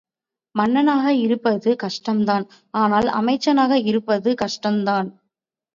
மன்னனாக இருப்பது கஷ்டம்தான் ஆனால் அமைச்சனாக இருப்பதும் கஷ்டந்தான்!